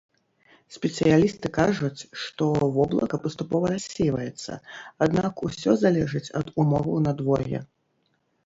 Спецыялісты кажуць, што воблака паступова рассейваецца, аднак усё залежыць ад умоваў надвор'я.